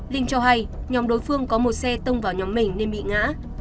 linh cho hay nhóm đối phương có một xe tông vào nhóm mình nên bị ngã